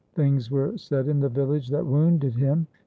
Things were said in the village that wounded him.